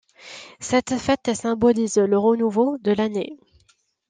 Cette fête symbolise le renouveau de l'année.